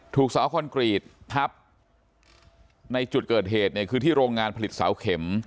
ถูกเสาคอนกรีตทับในจุดเกิดเหตุเนี่ยคือที่โรงงานผลิตเสาเข็ม